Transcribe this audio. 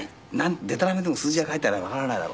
でたらめでも数字が書いてありゃわからないだろうって。